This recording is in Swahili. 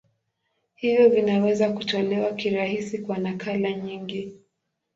Hivyo vinaweza kutolewa kirahisi kwa nakala nyingi.